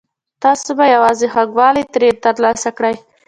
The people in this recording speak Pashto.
تاسو به یوازې خوږوالی ترې ترلاسه کړئ.